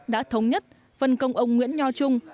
đã thống nhất phần công ông nguyễn nho trung